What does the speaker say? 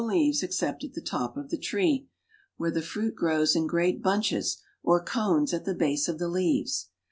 . leaves except at the top of the tree, where the ^_ fruit grows in great ■ bunches or cones at the # ^^JfcL. ^■ base of the leaves.